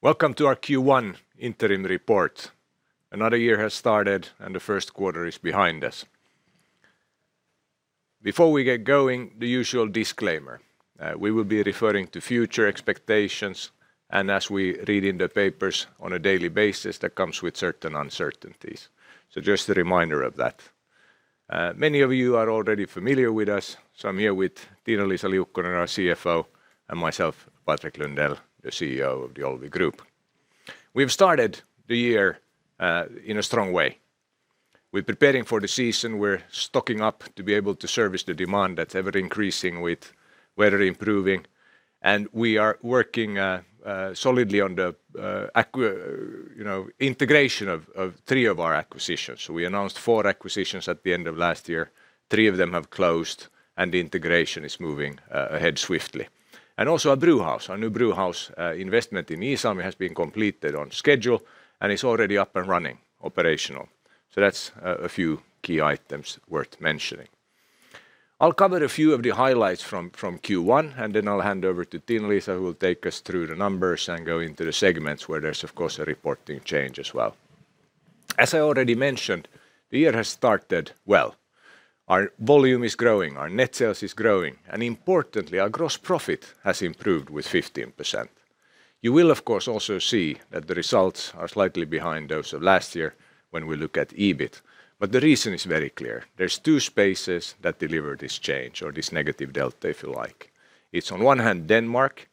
Welcome to our Q1 interim report. Another year has started and the Q1 is behind us. Before we get going, the usual disclaimer. We will be referring to future expectations, and as we read in the papers on a daily basis, that comes with certain uncertainties. So just a reminder of that. Many of you are already familiar with us. I'm here with Tiina-Liisa Liukkonen, our CFO, and myself, Patrik Lundell, the CEO of the Olvi Group. We've started the year in a strong way. We're preparing for the season. We're stocking up to be able to service the demand that's ever-increasing with weather improving. We are working solidly on the integration of three of our acquisitions. We announced four acquisitions at the end of last year. Three of them have closed and the integration is moving ahead swiftly. also a brewhouse. Our new brewhouse investment in Iisalmi has been completed on schedule and is already up and running operational. That's a few key items worth mentioning. I'll cover a few of the highlights from Q1, and then I'll hand over to Tiina-Liisa, who will take us through the numbers and go into the segments where there's, of course, a reporting change as well. As I already mentioned, the year has started well. Our volume is growing, our net sales is growing, and importantly, our gross profit has improved with 15%. You will, of course, also see that the results are slightly behind those of last year when we look at EBIT. The reason is very clear. There's two aspects that deliver this change or this negative delta, if you like. It's on one hand, Denmark.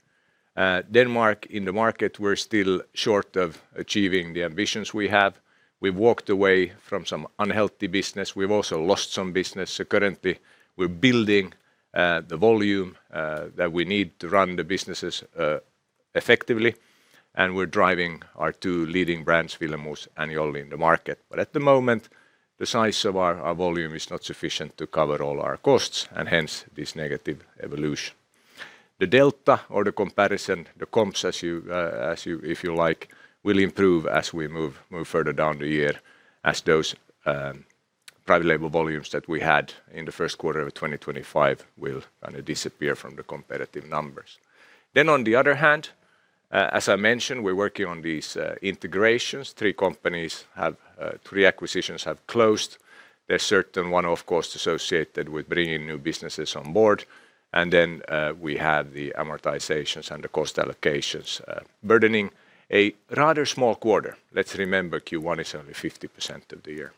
Denmark, in the market, we're still short of achieving the ambitions we have. We've walked away from some unhealthy business. We've also lost some business. Currently, we're building the volume that we need to run the businesses effectively, and we're driving our two leading brands, Willemoes and Olvi, in the market. At the moment, the size of our volume is not sufficient to cover all our costs, and hence this negative evolution. The delta or the comparison, the comps, if you like, will improve as we move further down the year as those private label volumes that we had in the Q1 of 2025 will disappear from the competitive numbers. On the other hand, as I mentioned, we're working on these integrations. Three acquisitions have closed. There's certain one-off costs associated with bringing new businesses on board. We have the amortizations and the cost allocations burdening a rather small quarter. Let's remember, Q1 is only 50% of the year.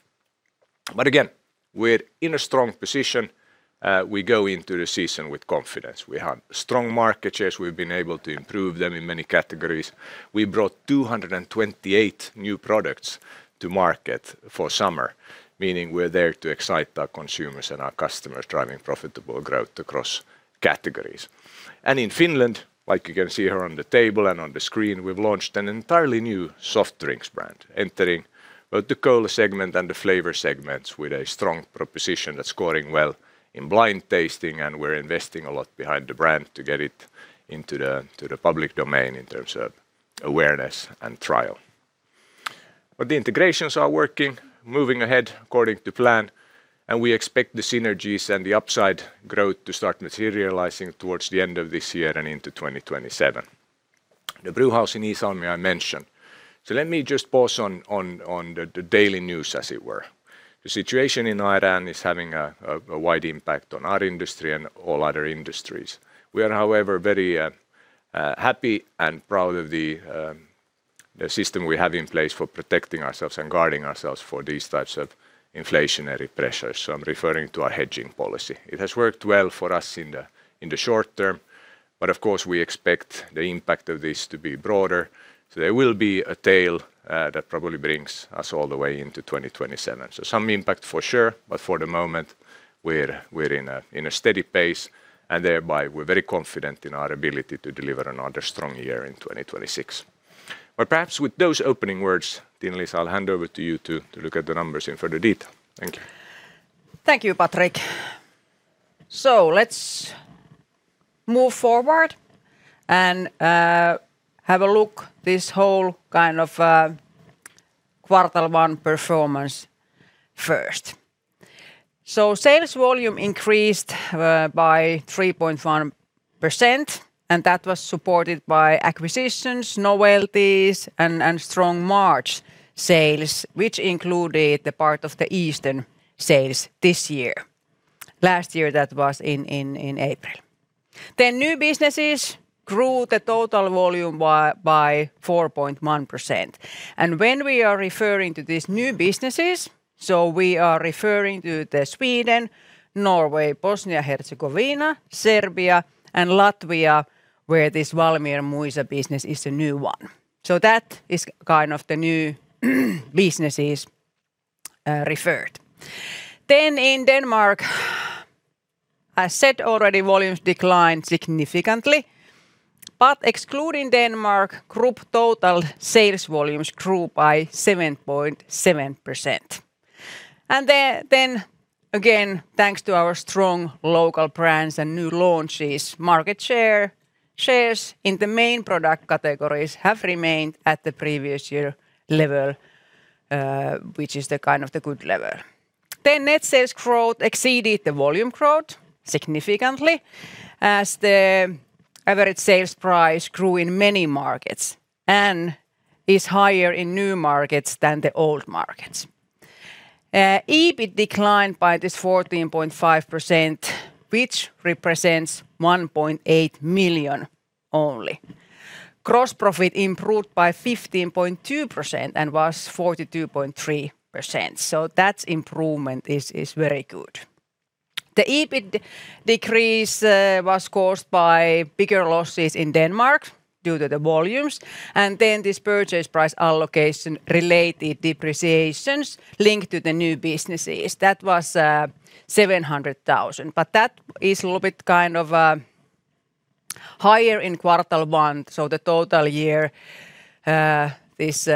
Again, we're in a strong position. We go into the season with confidence. We have strong market shares. We've been able to improve them in many categories. We brought 228 new products to market for summer, meaning we're there to excite our consumers and our customers, driving profitable growth across categories. In Finland, like you can see here on the table and on the screen, we've launched an entirely new soft drinks brand entering both the cola segment and the flavor segments with a strong proposition that's scoring well in blind tasting, and we're investing a lot behind the brand to get it into the public domain in terms of awareness and trial. The integrations are working, moving ahead according to plan, and we expect the synergies and the upside growth to start materializing towards the end of this year and into 2027. The brewhouse in Iisalmi, I mentioned. Let me just pause on the daily news as it were. The situation in Iran is having a wide impact on our industry and all other industries. We are however very happy and proud of the system we have in place for protecting ourselves and guarding ourselves for these types of inflationary pressures. I'm referring to our hedging policy. It has worked well for us in the short term, but of course, we expect the impact of this to be broader. There will be a tail that probably brings us all the way into 2027. Some impact for sure, but for the moment, we're in a steady pace and thereby we're very confident in our ability to deliver another strong year in 2026. Perhaps with those opening words, Tiina-Liisa, I'll hand over to you to look at the numbers in further detail. Thank you. Thank you, Patrik. Let's move forward and have a look at this whole quarter one performance first. Sales volume increased by 3.1%, and that was supported by acquisitions, novelties, and strong March sales, which included the part of the Easter sales this year. Last year, that was in April. New businesses grew the total volume by 4.1%. When we are referring to these new businesses, we are referring to Sweden, Norway, Bosnia-Herzegovina, Serbia and Latvia, where this Valmiermuižas alus business is a new one. That is the new businesses referred. In Denmark, as said already, volumes declined significantly, but excluding Denmark, group total sales volumes grew by 7.7%. Again, thanks to our strong local brands and new launches, market shares in the main product categories have remained at the previous year level, which is the good level. Net sales growth exceeded the volume growth significantly as the average sales price grew in many markets and is higher in new markets than the old markets. EBIT declined by this 14.5%, which represents only 1.8 million. Gross profit improved by 15.2% and was 42.3%, so that improvement is very good. The EBIT decrease was caused by bigger losses in Denmark due to the volumes, and then this purchase price allocation related depreciations linked to the new businesses. That was 700,000. But that is a little bit higher in quarter one, so the full year, this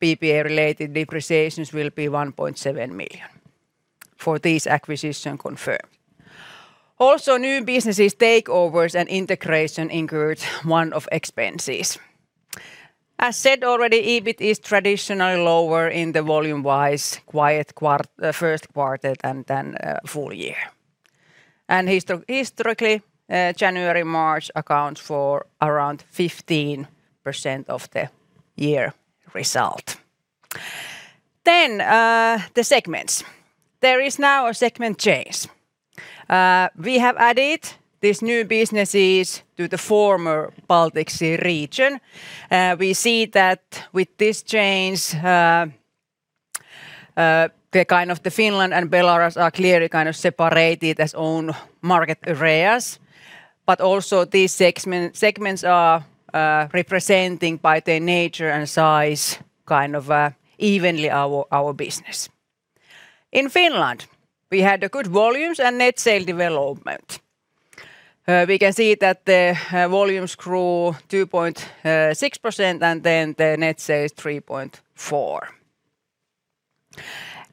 PPA-related depreciations will be 1.7 million for this acquisition confirmed. Also, new businesses takeovers and integration incurred one-off expenses. As said already, EBIT is traditionally lower in the volume-wise quiet Q1 and than full year. Historically, January, March accounts for around 15% of the year result. The segments. There is now a segment change. We have added these new businesses to the former Baltics region. We see that with this change, the Finland and Belarus are clearly separated as own market areas. Also these segments are representing by their nature and size evenly our business. In Finland, we had good volumes and net sales development. We can see that the volumes grew 2.6% and then the net sales 3.4%.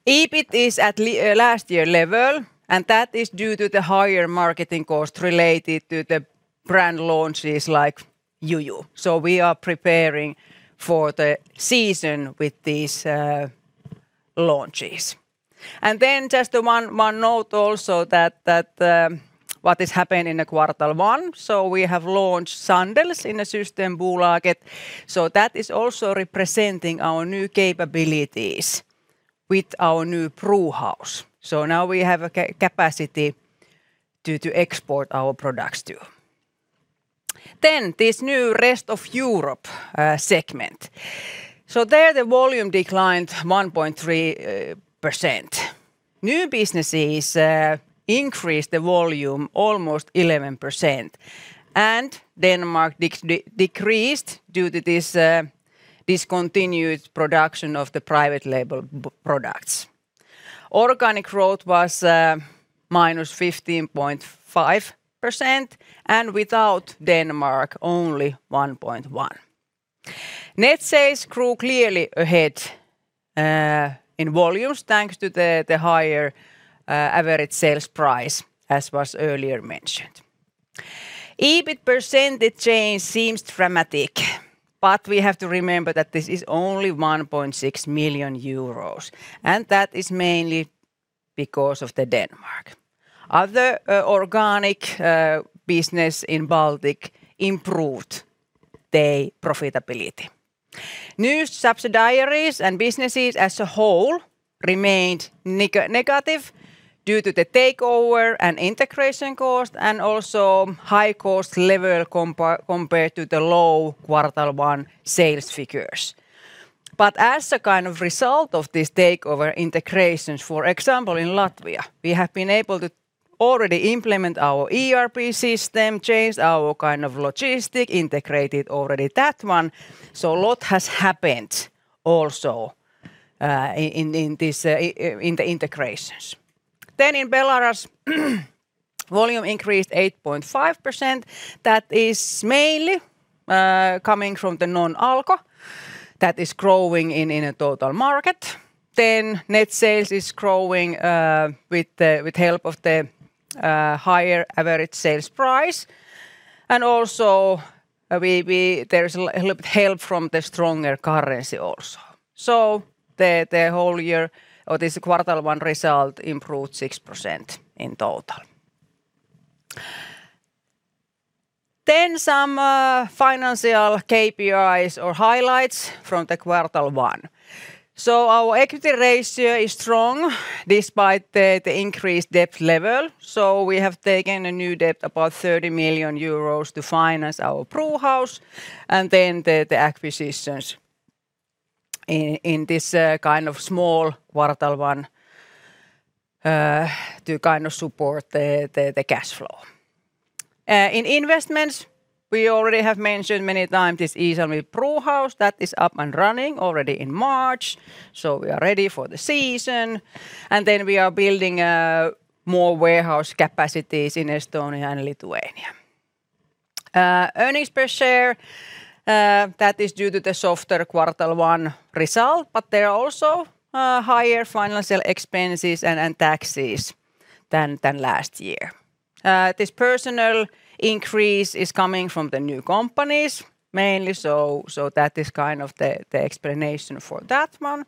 EBIT is at last year level, and that is due to the higher marketing cost related to the brand launches like Juju. We are preparing for the season with these launches. Just one note also what has happened in the quarter one, so we have launched Sandels in the Systembolaget. That is also representing our new capabilities with our new brewhouse. Now we have a capacity to export our products too. This new Rest of Europe segment. There, the volume declined 1.3%. New businesses increased the volume almost 11%, and Denmark decreased due to this discontinued production of the private label products. Organic growth was -15.5%, and without Denmark, only 1.1%. Net sales grew clearly ahead of volumes thanks to the higher average sales price, as was earlier mentioned. EBIT percentage change seems dramatic, but we have to remember that this is only 1.6 million euros, and that is mainly because of Denmark. Other organic business in Baltic improved their profitability. New subsidiaries and businesses as a whole remained negative due to the takeover and integration cost and also high cost level compared to the low quarter one sales figures. As a kind of result of this takeover integrations, for example, in Latvia, we have been able to already implement our ERP system, changed our kind of logistics, integrated already that one. A lot has happened also in the integrations. In Belarus, volume increased 8.5%. That is mainly coming from the non-Alko that is growing in a total market. Net sales is growing with help of the higher average sales price. There is a little bit help from the stronger currency also. The year-over-year this quarter one result improved 6% in total. Some financial KPIs or highlights from the quarter one. Our equity ratio is strong despite the increased debt level. We have taken a new debt, about 30 million euros to finance our brewhouse and then the acquisitions in this small quarter one to support the cash flow. In investments, we already have mentioned many times this Iisalmi brewhouse that is up and running already in March, so we are ready for the season. We are building more warehouse capacities in Estonia and Lithuania. Earnings per share, that is due to the softer quarter one result, but there are also higher financial expenses and taxes than last year. This personnel increase is coming from the new companies mainly. That is the explanation for that one.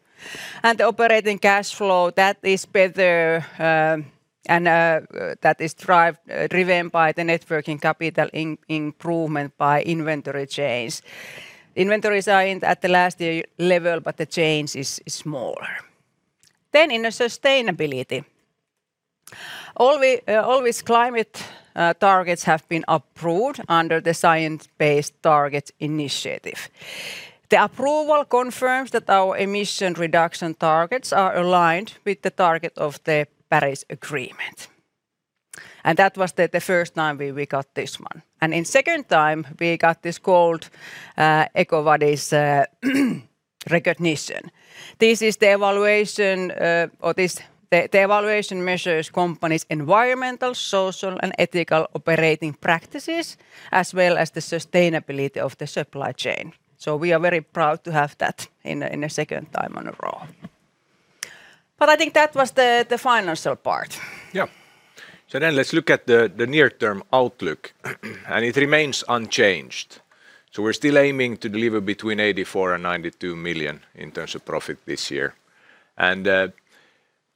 The operating cash flow, that is better and that is driven by the net working capital improvement by inventory change. Inventories are at the last year level, but the change is smaller. In sustainability. All these climate targets have been approved under the Science Based Targets initiative. The approval confirms that our emission reduction targets are aligned with the target of the Paris Agreement. That was the first time we got this one. In second time, we got this Gold EcoVadis recognition. The evaluation measures company's environmental, social, and ethical operating practices, as well as the sustainability of the supply chain. We are very proud to have that in a second time in a row. I think that was the financial part. Yeah. Let's look at the near-term outlook, and it remains unchanged. We're still aiming to deliver between 84 million and 92 million in terms of profit this year.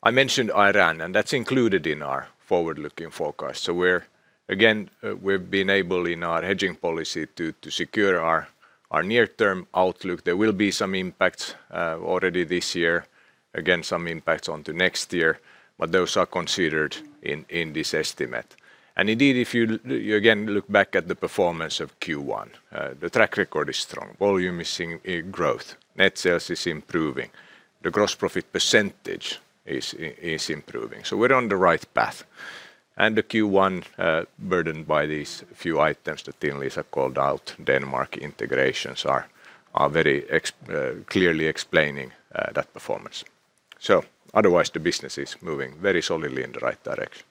I mentioned Iran, and that's included in our forward-looking forecast. Again, we've been able, in our hedging policy, to secure our near-term outlook. There will be some impacts already this year. Again, some impacts on to next year, but those are considered in this estimate. Indeed, if you, again, look back at the performance of Q1, the track record is strong. Volume is seeing growth. Net sales is improving. The gross profit percentage is improving. We're on the right path. The Q1, burdened by these few items that Tiina-Liisa called out, Denmark integrations are very clearly explaining that performance. Otherwise, the business is moving very solidly in the right direction.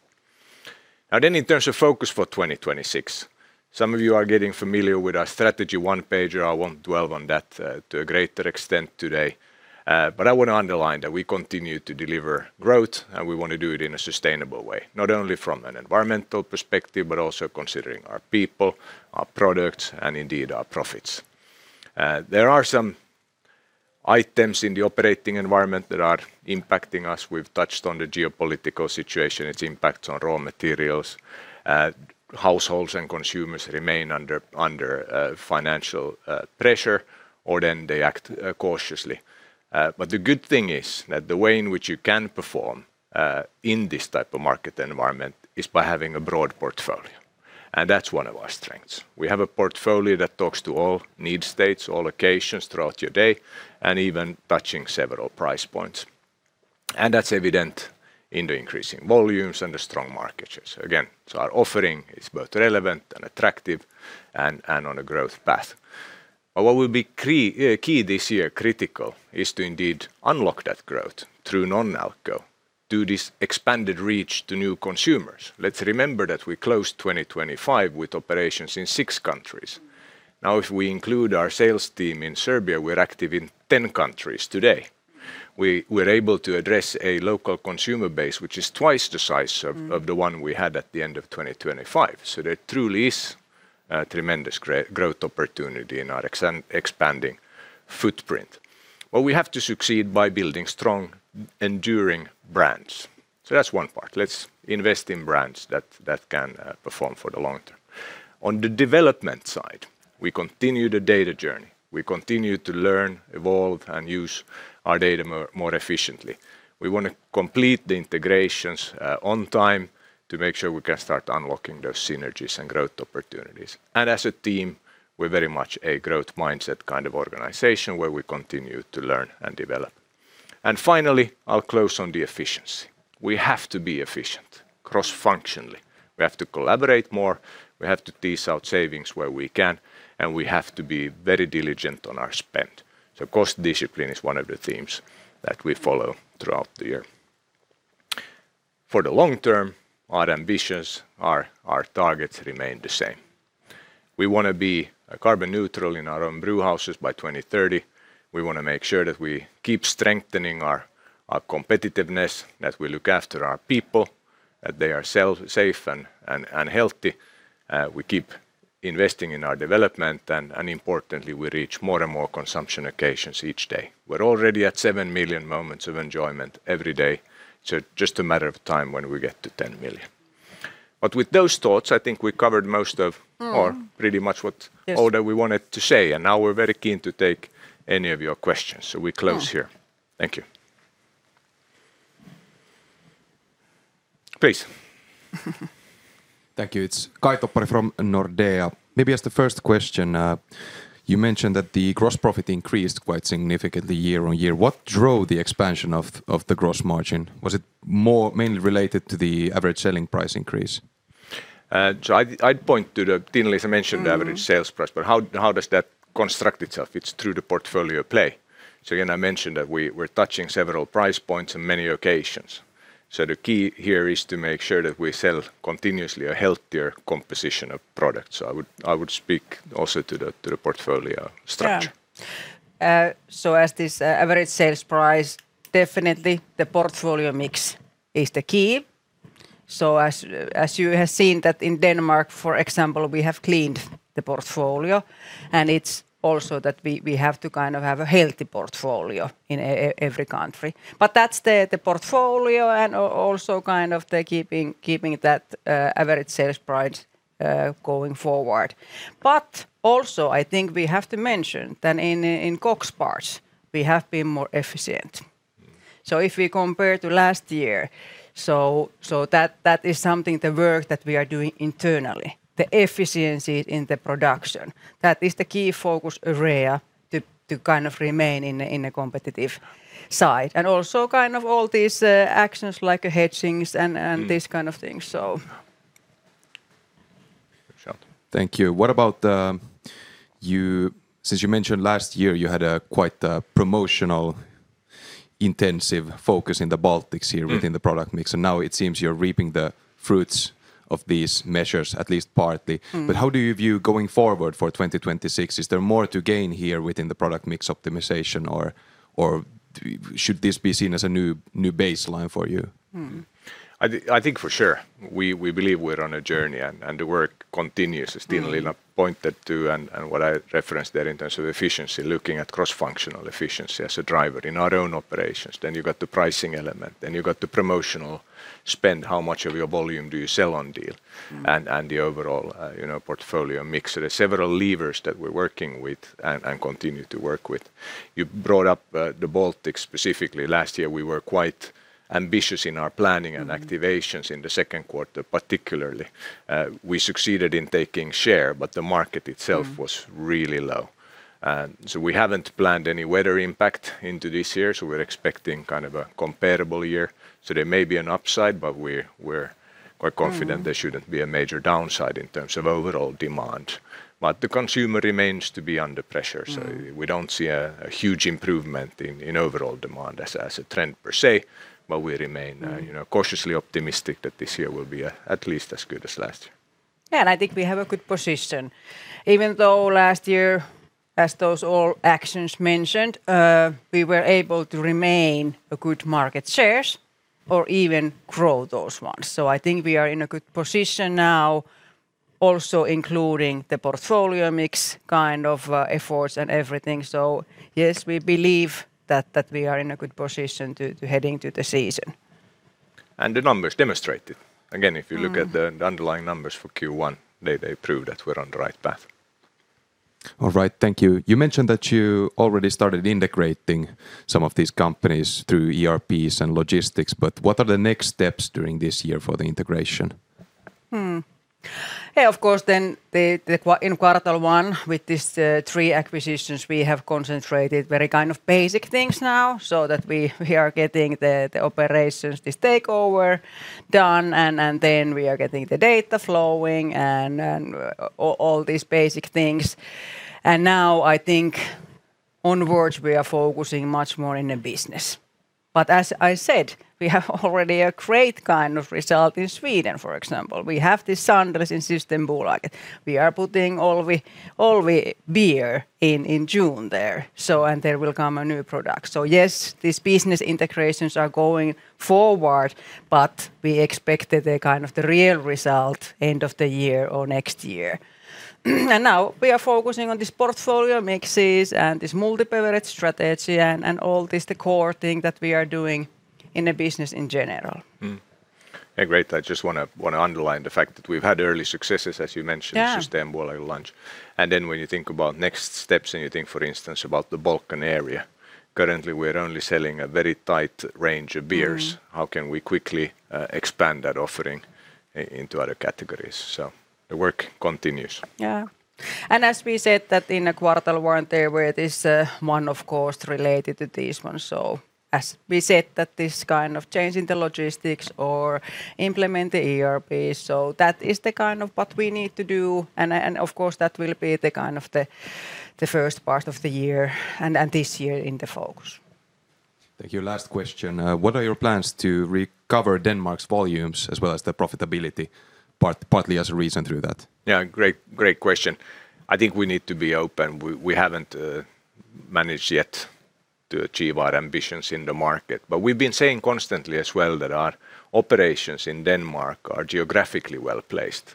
Then in terms of focus for 2026, some of you are getting familiar with our strategy one-pager. I won't dwell on that to a greater extent today. I want to underline that we continue to deliver growth, and we want to do it in a sustainable way, not only from an environmental perspective, but also considering our people, our products, and indeed our profits. There are some items in the operating environment that are impacting us. We've touched on the geopolitical situation, its impacts on raw materials. Households and consumers remain under financial pressure, or then they act cautiously. The good thing is that the way in which you can perform in this type of market environment is by having a broad portfolio. That's one of our strengths. We have a portfolio that talks to all need states, all occasions throughout your day, and even touching several price points. That's evident in the increasing volumes and the strong market shares. Again, our offering is both relevant and attractive and on a growth path. What will be key this year, critical, is to indeed unlock that growth through non-alcoholic, through this expanded reach to new consumers. Let's remember that we closed 2025 with operations in six countries. Now, if we include our sales team in Serbia, we're active in 10 countries today. We're able to address a local consumer base, which is twice the size of the one we had at the end of 2025. There truly is a tremendous growth opportunity in our expanding footprint. We have to succeed by building strong, enduring brands. That's one part. Let's invest in brands that can perform for the long term. On the development side, we continue the data journey. We continue to learn, evolve, and use our data more efficiently. We want to complete the integrations on time to make sure we can start unlocking those synergies and growth opportunities. As a team, we're very much a growth mindset kind of organization where we continue to learn and develop. Finally, I'll close on the efficiency. We have to be efficient cross-functionally. We have to collaborate more, we have to tease out savings where we can, and we have to be very diligent on our spend. Cost discipline is one of the themes that we follow throughout the year. For the long term, our ambitions, our targets remain the same. We want to be carbon neutral in our own brewhouses by 2030. We want to make sure that we keep strengthening our competitiveness, that we look after our people, that they are safe and healthy. We keep investing in our development and importantly, we reach more and more consumption occasions each day. We're already at 7 million moments of enjoyment every day, so just a matter of time when we get to 10 million. With those thoughts, I think we covered most of our, pretty much what all that we wanted to say, and now we're very keen to take any of your questions. We close here. Thank you. Please. Thank you. It's Caj Toppari from Nordea. Maybe as the first question, you mentioned that the gross profit increased quite significantly year-on-year. What drove the expansion of the gross margin? Was it mainly related to the average selling price increase? I'd point to the, Tiina-Liisa mentioned the average sales price, but how does that construct itself? It's through the portfolio play. Again, I mentioned that we're touching several price points in many occasions. The key here is to make sure that we sell continuously a healthier composition of products. I would speak also to the portfolio structure. As this average sales price, definitely the portfolio mix is the key. As you have seen that in Denmark, for example, we have cleaned the portfolio, and it's also that we have to kind of have a healthy portfolio in every country. That's the portfolio and also kind of the keeping that average sales price going forward. Also, I think we have to mention that in COGS, we have been more efficient. If we compare to last year, so that is something, the work that we are doing internally, the efficiency in the production, that is the key focus area to kind of remain in a competitive side. Also kind of all these actions like hedging and these kind of things. Thank you. Since you mentioned last year you had a quite promotional intensive focus in the Baltics here within the product mix, and now it seems you're reaping the fruits of these measures, at least partly. How do you view going forward for 2026? Is there more to gain here within the product mix optimization or should this be seen as a new baseline for you? I think for sure. We believe we're on a journey, and the work continues, as Tiina-Liisa pointed to, and what I referenced there in terms of efficiency, looking at cross-functional efficiency as a driver in our own operations. You've got the pricing element, then you've got the promotional spend, how much of your volume do you sell on deal.... the overall portfolio mix. There are several levers that we're working with and continue to work with. You brought up the Baltics specifically. Last year, we were quite ambitious in our planning and activations in the Q2, particularly. We succeeded in taking share, but the market itself was really low. We haven't planned any weather impact into this year, so we're expecting kind of a comparable year. There may be an upside, but we're quite confident there shouldn't be a major downside in terms of overall demand. The consumer remains to be under pressure. We don't see a huge improvement in overall demand as a trend per se, but we remain cautiously optimistic that this year will be at least as good as last year. Yeah, I think we have a good position. Even though last year, as those all actions mentioned, we were able to remain a good market shares or even grow those ones. I think we are in a good position now also including the portfolio mix kind of efforts and everything. Yes, we believe that we are in a good position to heading to the season. The numbers demonstrate it. Again, if you look at the underlying numbers for Q1, they prove that we're on the right path. All right. Thank you. You mentioned that you already started integrating some of these companies through ERPs and logistics, but what are the next steps during this year for the integration? Yeah, of course, in quarter one, with these three acquisitions, we have concentrated very kind of basic things now so that we are getting the operations, this takeover done, and we are getting the data flowing and all these basic things. Now I think onwards we are focusing much more in the business. As I said, we have already a great kind of result. In Sweden, for example, we have this Sandels and Systembolaget. We are putting all our beer in June there, and there will come a new product. Yes, these business integrations are going forward, but we expect that the kind of the real result end of the year or next year. Now we are focusing on this portfolio mixes and this multi-local strategy and all this, the core thing that we are doing in the business in general. Yeah, great. I just want to underline the fact that we've had early successes, as you mentioned. Yeah Systembolaget launch. Then when you think about next steps and you think, for instance, about the Balkan area, currently we're only selling a very tight range of beers. How can we quickly expand that offering into other categories? The work continues. Yeah. As we said that in the quarter one there were this one, of course, related to this one, so as we said that this kind of change in the logistics or implement the ERP, so that is the kind of what we need to do. Of course, that will be the kind of the first part of the year and this year in the focus. Thank you. Last question. What are your plans to recover Denmark's volumes as well as the profitability, partly as a reason through that? Yeah, great question. I think we need to be open. We haven't managed yet to achieve our ambitions in the market. We've been saying constantly as well that our operations in Denmark are geographically well-placed,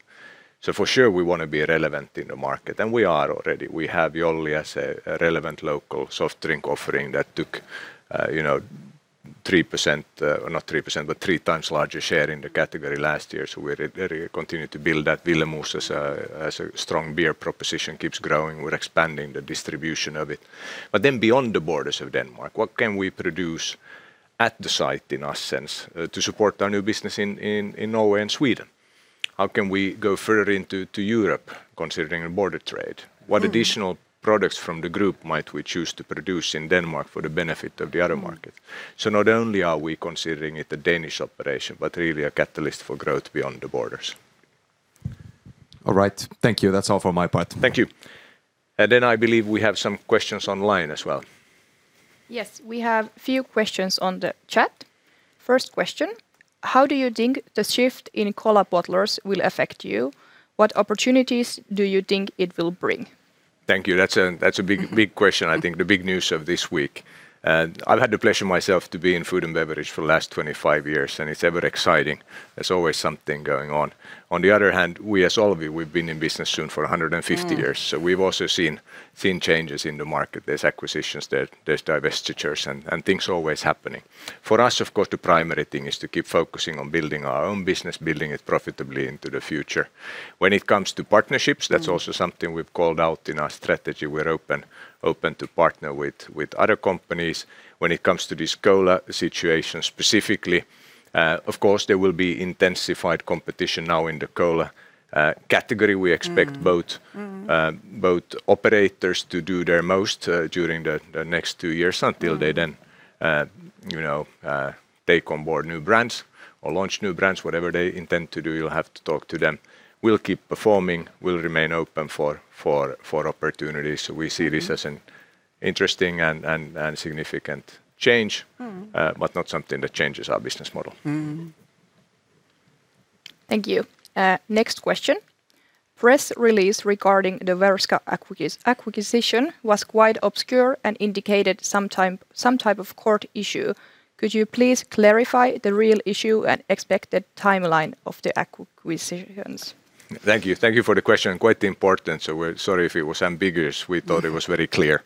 so for sure, we want to be relevant in the market, and we are already. We have Jolly as a relevant local soft drink offering that took 3%, not 3%, but three times larger share in the category last year. We're very committed to build that. Willemoes as a strong beer proposition keeps growing. We're expanding the distribution of it. Beyond the borders of Denmark, what can we produce at the site, in a sense, to support our new business in Norway and Sweden? How can we go further into Europe considering border trade? What additional products from the group might we choose to produce in Denmark for the benefit of the other market? Not only are we considering it a Danish operation, but really a catalyst for growth beyond the borders. All right. Thank you. That's all from my part. Thank you. I believe we have some questions online as well. Yes, we have a few questions on the chat. First question: How do you think the shift in cola bottlers will affect you? What opportunities do you think it will bring? Thank you. That's a big question. I think the big news of this week, and I've had the pleasure myself to be in food and beverage for the last 25 years, and it's ever exciting. There's always something going on. On the other hand, we as Olvi, we've been in business soon for 150 years, so we've also seen changes in the market. There's acquisitions, there's divestitures, and things always happening. For us, of course, the primary thing is to keep focusing on building our own business, building it profitably into the future. When it comes to partnerships, that's also something we've called out in our strategy. We're open to partner with other companies. When it comes to this cola situation specifically, of course, there will be intensified competition now in the cola category. We expect both operators to do their most during the next two years until they then take on board new brands or launch new brands. Whatever they intend to do, you'll have to talk to them. We'll keep performing. We'll remain open for opportunities. We see this as an interesting and significant change, but not something that changes our business model. Thank you. Next question. Press release regarding the Värska acquisition was quite obscure and indicated some type of court issue. Could you please clarify the real issue and expected timeline of the acquisitions? Thank you for the question. Quite important, so we're sorry if it was ambiguous. We thought it was very clear.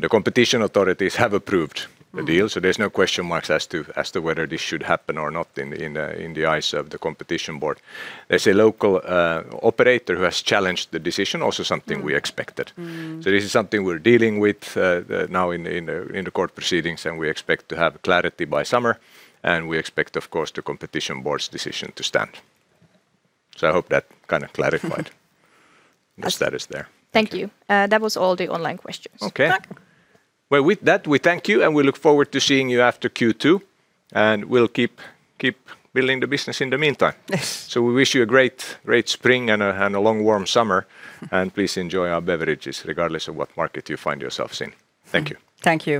The competition authorities have approved the deal, so there's no question marks as to whether this should happen or not in the eyes of the competition board. There's a local operator who has challenged the decision, also something we expected. This is something we're dealing with now in the court proceedings, and we expect to have clarity by summer, and we expect, of course, the competition board's decision to stand. I hope that clarified the status there. Thank you. That was all the online questions. Okay. Thanks. Well, with that, we thank you, and we look forward to seeing you after Q2, and we'll keep building the business in the meantime. Yes. We wish you a great spring and a long, warm summer, and please enjoy our beverages regardless of what market you find yourselves in. Thank you. Thank you.